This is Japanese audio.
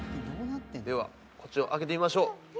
ではこっちを開けてみましょう。